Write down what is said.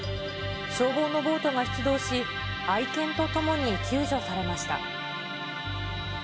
消防のボートが出動し、愛犬と共に救助されました。